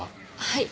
はい。